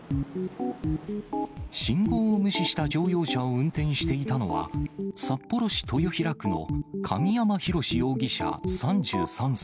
信号を無視した乗用車を運転していたのは、札幌市豊平区の神山大容疑者３３歳。